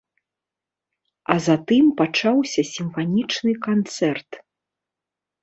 А затым пачаўся сімфанічны канцэрт.